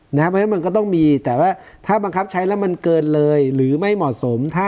เพราะฉะนั้นมันก็ต้องมีแต่ว่าถ้าบังคับใช้แล้วมันเกินเลยหรือไม่เหมาะสม